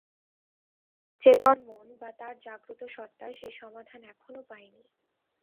চেতন মন বা তার জাগ্রত সত্তা সেই সমাধান এখনো পায় নি।